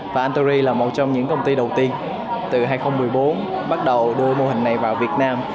và antory là một trong những công ty đầu tiên từ hai nghìn một mươi bốn bắt đầu đưa mô hình này vào việt nam